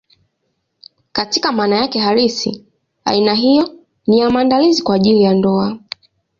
Katika maana yake halisi, aina hiyo ni ya maandalizi kwa ajili ya ndoa.